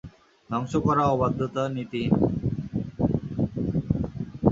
ধ্বংস করা, অবাধ্যতা, নীতিহীন।